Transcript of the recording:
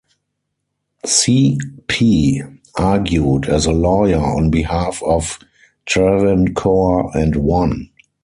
C. P. argued as a lawyer on behalf of Travancore and won.